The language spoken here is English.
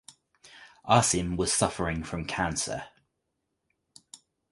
Asim was suffering from cancer.